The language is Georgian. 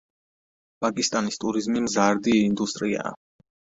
პაკისტანის ტურიზმი მზარდი ინდუსტრიაა.